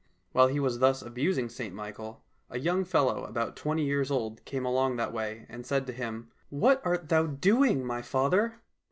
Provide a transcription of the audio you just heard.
While he was thus abusing St Michael, a young fellow about twenty years old came along that way, and said to him, " What art thou doing, my father